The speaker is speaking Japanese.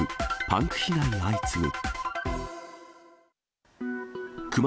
パンク被害相次ぐ。